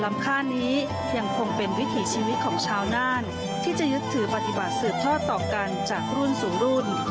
ค่านี้ยังคงเป็นวิถีชีวิตของชาวน่านที่จะยึดถือปฏิบัติสืบทอดต่อกันจากรุ่นสู่รุ่น